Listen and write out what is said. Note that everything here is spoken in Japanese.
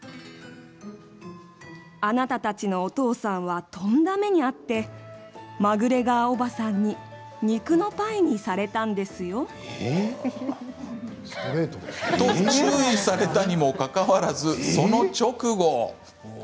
あなたたちのおとうさんは、とんだ目にあって、マグレガーおばさんに、にくのパイにされたんですよ」と注意されたにもかかわらずその直後。